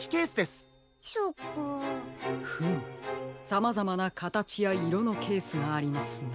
さまざまなかたちやいろのケースがありますね。